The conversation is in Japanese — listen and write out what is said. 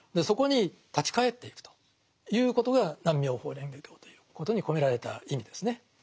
そこに立ち返っていくということが「南無妙法蓮華経」ということに込められた意味ですね。